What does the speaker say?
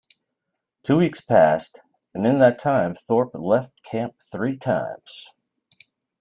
Two weeks passed, and in that time Thorpe left camp three times.